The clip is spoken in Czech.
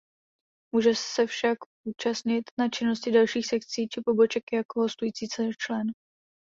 Může se však účastnit na činnosti dalších sekcí či poboček jako hostující člen.